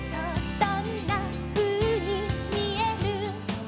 「どんなふうにみえる？」